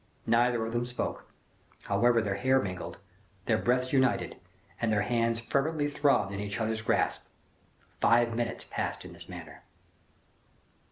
Neither of them spoke; however, their hair mingled, their breaths united, and their hands feverishly throbbed in each other's grasp. Five minutes passed in this manner.